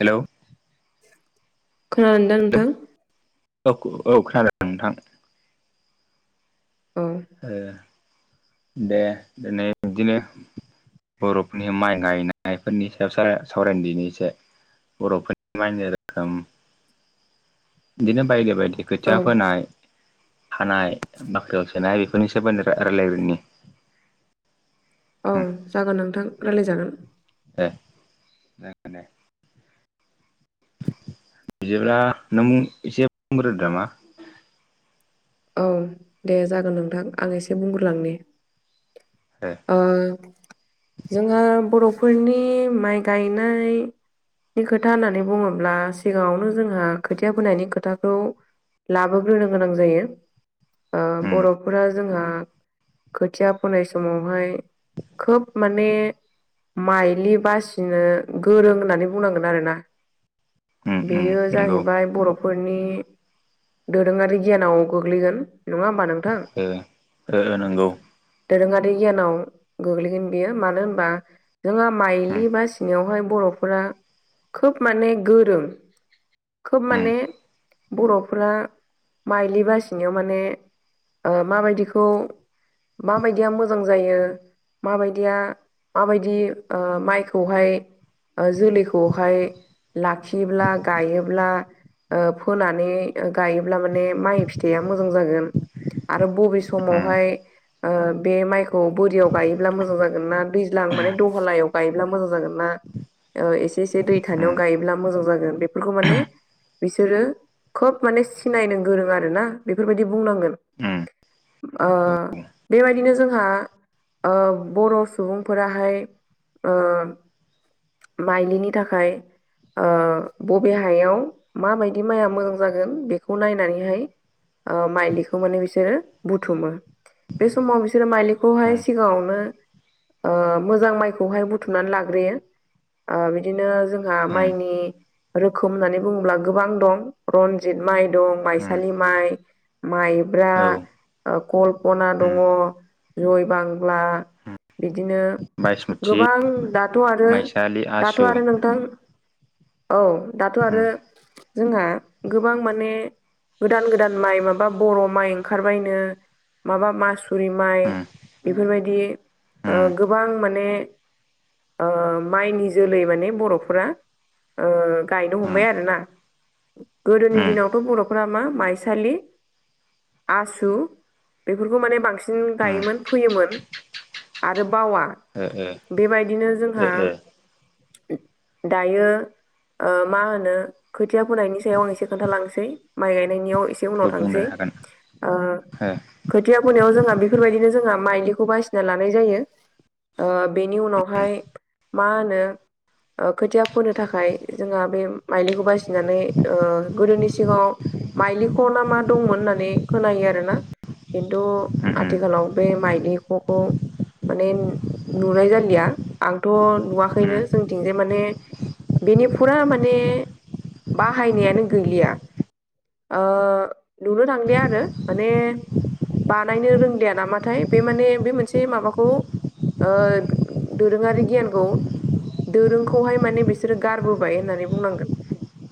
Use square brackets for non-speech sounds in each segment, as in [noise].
Hello खानादों ना hello नोंथां? औ औ खोनादों नोंथां। औ ओ दे दिनै बिदिनो बर'फोरनि माइ गायनायफोरनि सायाव सावरायदिनि एसे। बर'फोरनि बायदि रोखोम बिदिनो बायदि बायदि औ खोथिया फोनाय खानाय बाख्रियाव सोनाय बेफोरनि सोमोन्दै राय्लायनि। औ जागोन नोंथां राय्लायजागोन। दे जागोन दे। बिदिब्ला नों एसे बुंग्रो नामा? औ दे जागोन नोंथां आं एसे बुंग्रोलांनि। दे ओ जोंहा बर' फोरनि माइ गायनाय नि खोथा होननानै बुङोब्ला सिगाङावनो जोंहा खोथिया फोनायनि खोथाखौ लाबोग्रोनो गोनां जायो। ओ उम बर'फोरा जोंहा खोथिया फोनाय समावहाय खोब माने माइलि बासिनो गोरों होननानै बुंनांगोन आरोना। उम उम बेयो नंगौ जाहैबाय बर' फोरनि दोरोङारि गियानाव गोग्लैगोन। नङा होमबा नोंथां? ओ ओ ओ नंगौ दोरोङारि गियानाव गोग्लैगोन बियो मानो होनबा जोंहा उम माइलि बासिनायावहाय बर'फोरा खोब माने गोरों। खोब उम माने बर'फ्रा माइलि बासि नायाव माने ओ माबायदिखौ माबायदिया मोजां जायो माबायदिया माबायदि ओ माइखौहाय ओ जोलैखौहाय लाखियोब्ला गायोब्ला ओ फोनानै गायोब्ला माने माइ फिथाइया मोजां जागोन आरो बबे उम समावहाय बे माइखौ बोरियाव गायोब्ला मोजां जागोन ना दैज्लां माने दहलायाव गायोब्ला मोजां जागोन ना। एसे-एसे दै उम थानायाव गायोब्ला मोजां जागोन बेफोरखौ माने बिसोरो खोब माने सिनायनो गोरों आरो ना बेफोरबायदि बुंनांगोन। उम ओ औ उम बेबायदिनो जोंहा ओ बर' सुबुंफोराहाय ओ माइलिनि थाखाय ओ बबे हायाव माबायदि माइआ मोजां जागोन बेखौ नायनानैहाय ओ माइलिखौ माने बिसोरो बुथुमो। बे समाव बिसोरो माइलिखौहाय सिगाङावनो ओ मोजां माइखौहाय बुथुमनानै लाग्रोयो। ओ बिदिनो जोंहा माइनि रोखोम होननानै बुङोब्ला गोबां दं। रनजित माइ दं उम माइसालि माइ माइब्रा औ कल्पना उम दङ जय बांला उम बिदिनो बायसमुथि गोबां दाथ' आरो माइसालि दाथ' आसु आरो नोंथां औ दाथ' उम आरो जोंहा गोबां माने गोदान- गोदान माइ माबा बर' माइ ओंखारबायनो। माबा मासुरि माइ उम बेफोरबायदि ओ उम गोबां माने ओम। माइनि जोलै माने बर'फोरा ओ गायनो उम हमबाय आरोना। गोदोनि उम दिनावथ' बर'फोरा मा माइसालि आसु बेफोरखौ माने बांसिन उम गायोमोन फोयोमोन। आरो बावा। ओ-ओ। बेबायदिनो जोंहा दायो ओ मा होनो खोथिया फोनायनि सायाव आं एसे खोन्थालांनोसै माइ गायनायनियाव एसे उनाव ओ बुंनो थांनोसै। हागोन ओ ओ खोथिया फोनायाव जोंहा बेफोरबायदिनो जोंहा माइलिखौ बासिना लानाय जायो। ओ बेनि उम उनावहाय मा होनो ओ खोथिया फोनो थाखाय जोंहा बे माइलिखौ बासिनानै ओ गोदोनि सिगाङाव माइलिख' ना मा दंमोन होननानै खोनायो आरो ना। खिन्थु उम आथिखालाव बे माइलिख' खौ माने नु नुनाय जालिया। थ' उम उम नुवाखैनो जोंथिं जाय माने बेनि फुरा माने बाहायनायानो गैलिया। ओ नुनो थांलिया आरो माने बानायनो रोंलिया नामाथाय बे माने बे मोनसे माबाखौ ओ दोरोङारि गियानखौ दोरोंखौहाय माने बिसोरो गारबोबाय होननानै बुंनांगोन।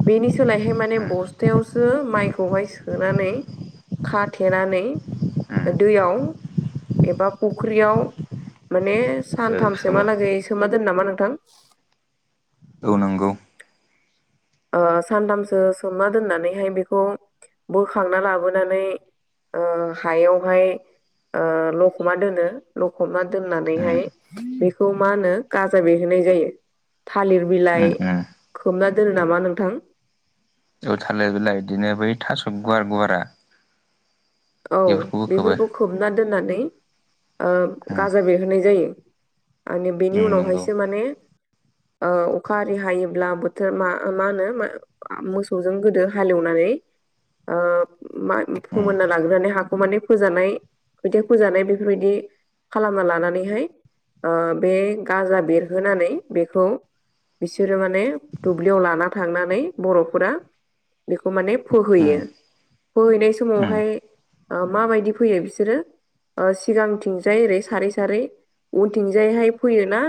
बेनि सोलायहाय माने बस्थायावसो माइखौहाय सोनानै खाथेनानै उम दैयाव एबा फुख्रियाव माने ओ सोमो सानथामसोमहालागै सोमना दोनो नामा नोंथां। औ नांगौ। ओ सानथामसो सोमना दोननानैहाय बेखौ बोखांना लाबोनानै ओ हायावहाय ओ लखमा दोनो लखबना उम दोननानैहाय बेखौ मा होनो गाजा बिरहोनाय जायो थालिर बिलाइ उम उम खोबना दोन नामा नोंथां? औ थालिर बिलाय बिदिनो बै थास' गुवार गुवारा। औ बेफोरखौबो खोबो बेफोरखौ खोबना दोननानै ओ उम गाजा बेरहोनाय जायो। आरो बेनि उम नंगौ उनावहायसो माने ओ अखा आरि हायोब्ला बोथोर मा -मा होनो मोसौजों गोदो हालेवनानै ओ मा उम फोमोनना- [unintelligible] हाखौ माने फोजानाय खोथिया फोजानाय बेफोरबायदि खालामना लानानैहाय ओ बे गाजा बेरहोनानै बेखौ बिसोरो माने दुब्लियाव लाना थांनानै बर'फोरा बेखौ माने उम फोहैयो। फोहैनाय उम समावहाय ओ माबायदि फैयो बिसोरो ओ सिगांथिंजाय ओरै सारै- सारै उनथिंजायहाय फैयो ना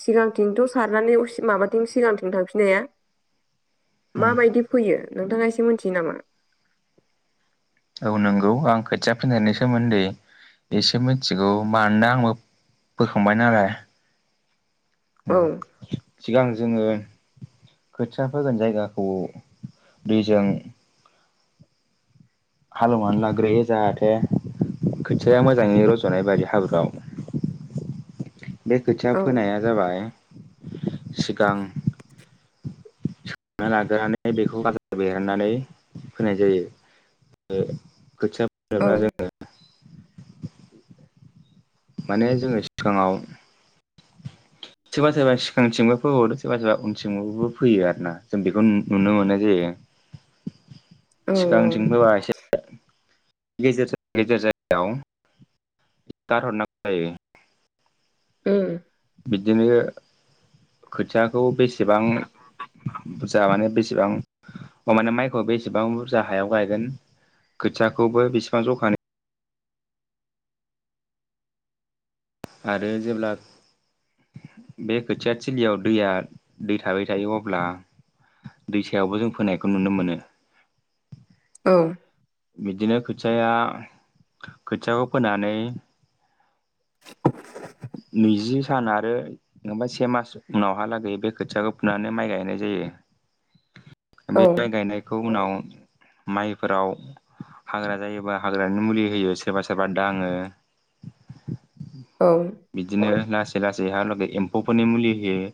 सिगांथिंथ' सारनानै उसि माबाथिं सिगांथिं थांफिननो हाया। उम माबायदि फैयो नोंथाङा एसे मिथियो नामा? औ नंगौ, आं खोथिया फोनायनि सोमोन्दै एसे मिथिगौ मानोना आंबो फोखांबाय नालाय औ। उम सिगां जोङो खोथिया फोगोन जायगाखौ दैजों हालेवनानै लाग्रोयो जाहाथे खोथिया मोजाङै रज'नाय बायदि हाब्रुआव। [inaudible] बे खोथिया औ फोनाया जाबाय सिगां लाग्रोनानै बेखौ गाजा बेरहोनानै फोनाय जायो। ओ खोथिया फोनोब्ला जोङो [inaudible] माने जोङो सिगाङाव सोरबा -सोरबा सिगांथिंबो फोहरो सोरबा- सोरबा उनथिंबो फोयो आरो ना। जों बेखौ नुनो मोननाय जायो। औ सिगांथिं फोबा एसे गेजेर -गेजेर जायगायाव गारहरनांगौ जायो। उम। बिदिनो खोथियाखौ बेसेबां बुरजा माने बेसेबां माने माइखौ बेसेबां बुरजा हायाव गायगोन। खोथियाखौबो बेसेबां जखानि आरो जेब्ला बे खोथिया थिलियाव दैया दै थाबाय थायो अब्ला दैसायावबो जों फोनायखौ नुनो मोनो। औ। बिदिनो खोथियाया खोथियाखौ फोनानै नैजि सान आरो ओफ्राय से मास उनावहालागै बे खोथियाखौ फुनानै माइ गायनाय जायो। औ बे गायनायखौ उनाव माइफोराव हाग्रा जायोबा हाग्रानि मुलि होयो सोरबा- सोरबा दाङो। औ। बिदिनो लासै -लासै हालागै एम्फौफोरनि मुलि होयो।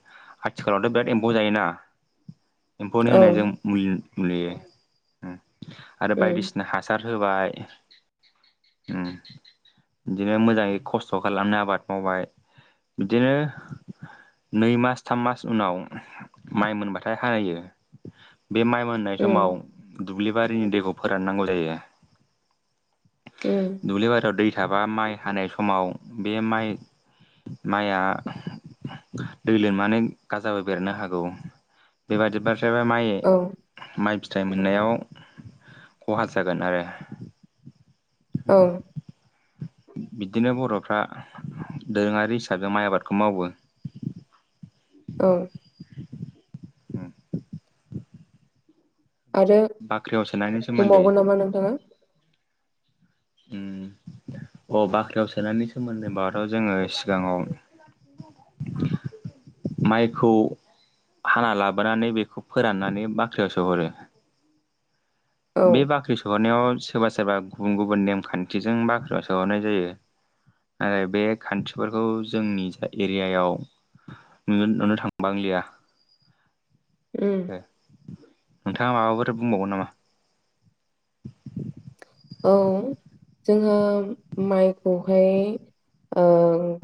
आथिखालावथ' बिराद एम्फौ जायोना। [inaudible] एम्फौनि होनाय जों मुलि- मुलि उम आरो उम बायदिसिना हा- [unintelligible] होबाय उम बिदिनो मोजाङै खस्थ' खालामनो आबाद मावबाय। बिदिनो नै मास, थाम मास उनाव माइ मोनबाथाय हायो। बे माइ मोननाय उम समाव दुब्लि बारिनि दैखौ फोराननांलाया। उम दुब्लि बारियाव दै था बा माइ हानाय समाव बे माइ माइया दै लोमनानै गाजाबो बेरनो हागौ। बेबादिबा फ्रायबा माइ औ माइ फिथाइ मोननायाव खहा जागोन आरो। ओं। बिदिनो बर'फ्रा दोरोङारि हिसाबै माइ आबादखौ मावो। ओं। आरो बाख्रियाव सोनायनि सोमोन्दै बुंबावगोन नामा नोंथाङा? उम अह बाख्रियाव सोनायनि सोमोन्दै होनबाथ' जोङो सिगाङाव [inaudible] माइखौ हाना लाबोनानै बेखौ फोराननानै बाख्रियावसो सोहरो। औ बे बाख्रि सोहरनायाव सोरबा सोरबा गुबुन गुबुन नेमखान्थिजों बाख्रियाव सोहरनाय जायो। नाथाय बे खान्थिफोरखौ जोंनि जा एरियायाव नुन नुनो थांबांलिया। उम। नोंथाङा माबाफोर बुंबावगोन नामा? औ जोंङो माइखौहाय ओ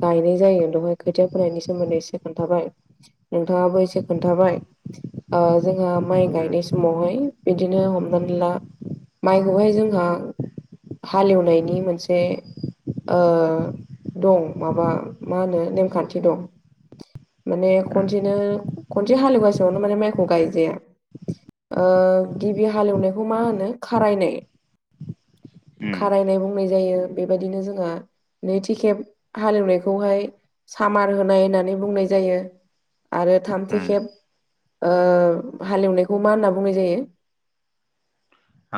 गायनाय जायो बेहाय खोथिया फोनायनि सोमोन्दै एसे खोन्थाबाय। नोंथाङाबो एसे खोन्थाबाय। ओ जोंहा माइ उम गायनाय समावहाय बिदिनो हमनानै ला माइखौहाय जोंहा हालेवनायनि मोनसे ओ दं माबा मा होनो नेमखान्थि दं। माने उम खनसेनो खनसे हालेवगासियावनो माने माइखौ गायजाया। ओ गिबि हालेवनायखौ मा होनो खारायनाय। उम खारायनाय बुंनाय जायो। बेबायदिनो जोंना नैथि खेब हालेवनायखौहाय‌ सामार होनाय होननानै बुंनाय जायो आरो थामथि उम खेब ओ हालेवनायखौ मा होनना बुंनाय जायो?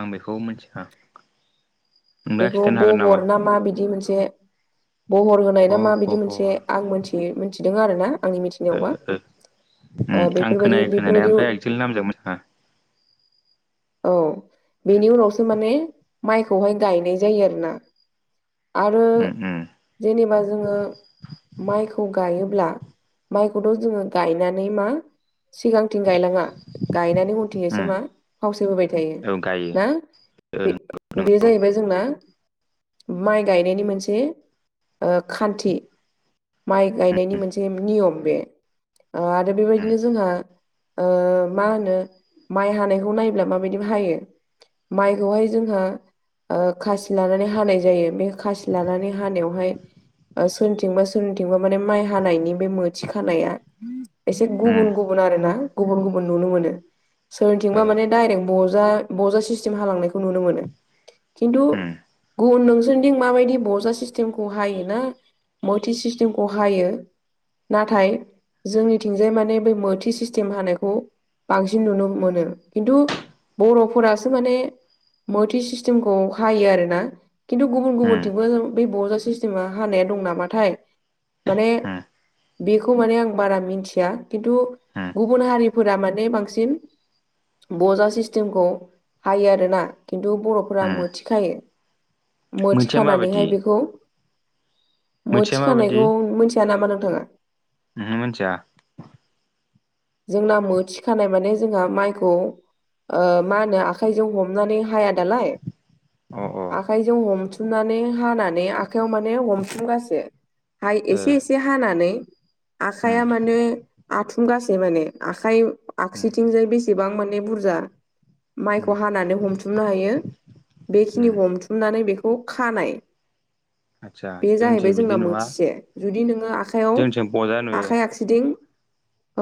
आं बेखौ मोनथिखा बेखौ बहर ना माबिदि मोनसे बहर होनाय ना अ मा बिदि मोनसे बहर आं मोनथियो मिन्थिदों आरो ना आंनि मिथि ओ लेवबा ओ उम ओ आं बेफोरबायदि खोनायो खोनानाया बेफोरबायदियाव ओमफ्राय एक्सुेलि नामजों मिथिया औ उम बेनि उनावसो माने माइखौहाय गायनाय जायो आरोना। आरो उम जेनेबा जोङो माइखौ गायोब्ला माइखौथ' जोङो गायनानै मा सिगांथिं गायलाङा, गायनानै उम उनथिंजायसो मा फावसायबोबाय थायो। औ गायो ना ओ बे नंगौ ओ जाहैबाय जोंनि जोंना माइ गायनायनि मोनसे ओ खान्थि माइ गायनायनि मोनसे नियम बे आरो बेबायदिनो जोंहा ओ मा होनो माइ हानायखौ नायब्ला माबायदिबा हायो? माइखौहाय जोंहा ओ खासि लानानै हानाय जायो। बे खासि लानानै हानायावहाय ओ सोरनिथिंबा सोरनिथिंबा माने माइ हानायनि बे मोथि खानाया एसे गुबुन गुबुन आरो ना गुबुन गुबुन नुनो मोनो। सोरनिथिंबा माने डाइरेक्ट बजा बजा सिस्टेम हालांनायखौ नुनो मोनो। खिन्थु गुबुन नोंसोरनिथिं माबायदि बजा सिस्टेमखौ हायोना मोथि सिस्टेमखौ हायो? नाथाय जोंनिथिंजाय माने बै मोथि सिस्टेम हानायखौ बांसिन नुनो मोनो। खिन्थु बर'फोरासो माने मोथि सिस खौ हायो आरोना खिन्थु गुबुन गुबुन थिंबो बे बजासे जोहा हानाया दं नामाथाय। माने बेखौ माने आं बारा मिथिया खिन्थु गुबुन हारिफोरा माने बांसिन बजा सिस्टेमखौ हायो आरोना। खिन्थु रफ्रा मोथिखायो मोनसेया माबायदि मोथिखानानैहाय बेखौ मोनसेया मथि माबायदि खानायखौ मिथिया नामा नोंथाङा? ओहो मिथिया। जोंना मो थिखानाय माने जोंहा माइखौ मा होनो आखाइजों हमनानै हाया दालाय। अ अ ओ आखाइजों हमथुमनानै हानानै आखाइयाव माने हमथुमगासो हाय एसे एसे हानानै उम आखाइया माने आथुंगासे माने आखाइ उम आखसिथिंजाय बेसेबां माने बुरजा उम माइखौ हानानै हमथुमनो हायो उम ‌बेखिनि हमथुमनानै बेखौ खानाय। आदसा बे जाहैबाय जोंनिथिं बिदि जोंना नुवा मोथिसे जुदि नोङो आखयाव जोंनिथिं बजा नुयो आखाइ आखसिदिं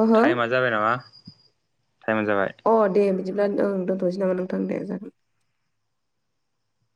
ओह टाइमा जाबाय नामा टाइमा जाबाय अ दे बिदिब्ला ओं दोनथ'सै नामा नोंथां जागोन।